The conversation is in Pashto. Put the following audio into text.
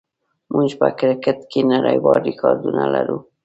موږ په کرکټ کې نړیوال ریکارډونه لرو.